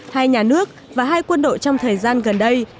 hai nhà nước và hai quân đội trong thời gian gần đây